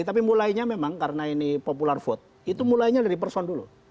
tapi mulainya memang karena ini popular vote itu mulainya dari person dulu